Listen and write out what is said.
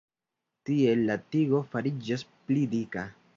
Tiel la tigo fariĝas pli dika.